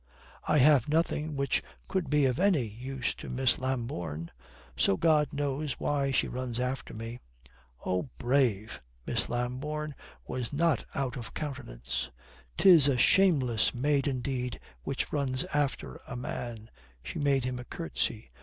"I have nothing which could be of any use to Miss Lambourne. So God knows why she runs after me." "Oh, brave!" Miss Lambourne was not out of countenance. "'Tis a shameless maid indeed which runs after a man" she made him a curtsy.